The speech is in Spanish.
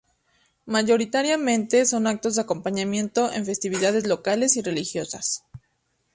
Mayoritariamente, son actos de acompañamiento en festividades locales y religiosas.